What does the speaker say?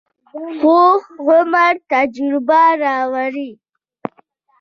پوخ عمر تجربه راوړي